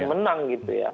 dan menang gitu ya